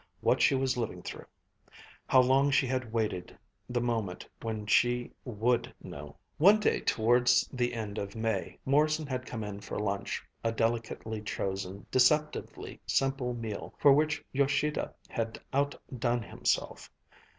what she was living through. How long she had waited the moment when she would know! One day towards the end of May, Morrison had come in for lunch, a delicately chosen, deceptively simple meal for which Yoshida had outdone himself.